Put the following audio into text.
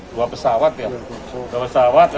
dua pesawat ya